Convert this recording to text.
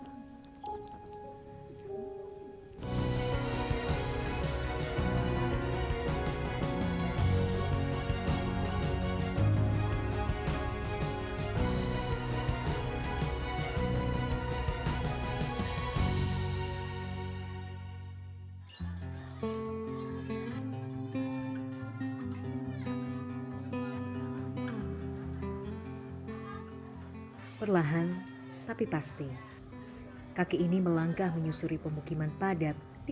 hai perlahan tapi pasti kaki ini melangkah menyusuri pemukiman padat di